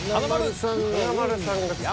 華丸さんが多い。